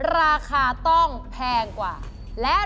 ราคาต้องแพงกว่า